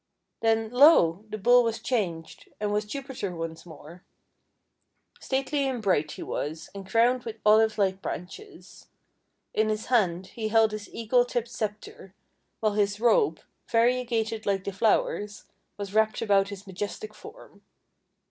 Then, lo! the Bull was changed, and was Jupiter once more! Stately and bright he was, and crowned with Olive like branches. In his hand he held his eagle tipped sceptre; while his 404 THE WONDER GARDEN robe, variegated like the flowers, was wrapped about his majestic form.